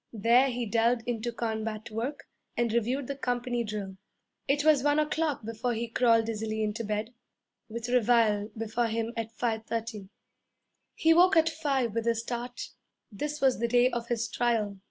There he delved into combat work and reviewed the company drill. It was one o'clock before he crawled dizzily into bed, with reveille before him at five thirty. He woke at five with a start. This was the day of his trial.